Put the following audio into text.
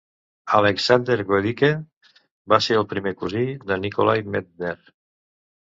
Alexander Goedicke va ser el primer cosí de Nikolai Medtner.